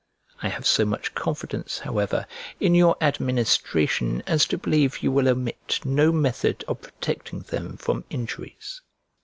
I have so much confidence, however, in your administration as to believe you will omit no method of protecting them from injuries.